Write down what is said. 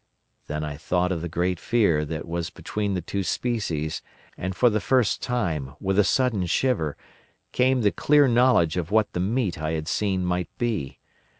Then I thought of the Great Fear that was between the two species, and for the first time, with a sudden shiver, came the clear knowledge of what the meat I had seen might be.